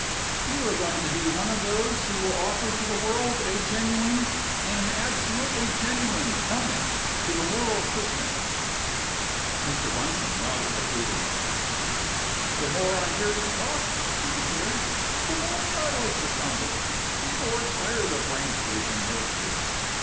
You are going to be one of those who will offer to the world a genuine an absolutely genuine tonic to the moral system." Mr. Bunsome nodded approvingly. "The more I hear you talk," he declared, "the more I like the sound of it. People are tired of brain foods and nerve foods.